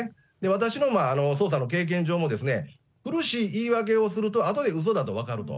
私の捜査の経験上も、苦しい言い訳をすると、あとでうそだと分かると。